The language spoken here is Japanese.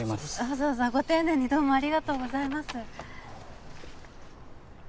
わざわざご丁寧にどうもありがとうございます